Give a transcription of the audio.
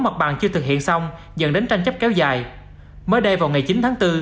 mặt bằng chưa thực hiện xong dẫn đến tranh chấp kéo dài mới đây vào ngày chín tháng bốn